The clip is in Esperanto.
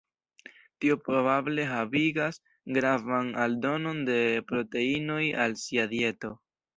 Tio probable havigas gravan aldonon de proteinoj al sia dieto.